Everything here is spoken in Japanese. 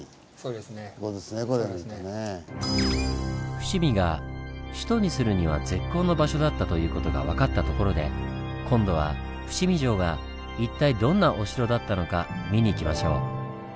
伏見が首都にするには絶好の場所だったという事が分かったところで今度は伏見城が一体どんなお城だったのか見に行きましょう。